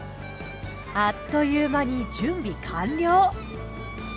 あっという間に準備完了。